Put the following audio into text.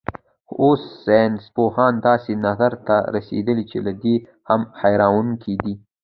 خو اوس ساینسپوهان داسې نظر ته رسېدلي چې له دې هم حیرانوونکی دی.